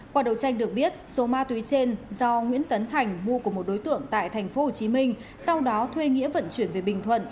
qua đầu tranh được biết số ma túy trên do nguyễn tấn thành mua của một đối tượng tại tp hcm sau đó thuê nghĩa vận chuyển về bình thuận